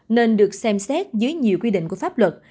nên được xem xét dưới nhiều quy định của pháp luật